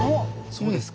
そうですか？